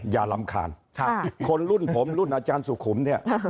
อย่ารำคาญคนรุ่นผมรุ่นอาจารย์สุขุมเนี่ย